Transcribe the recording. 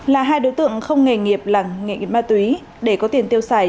là hai đối tượng không nghề nghiệp là nghệ nghiệp ma túy để có tiền tiêu xài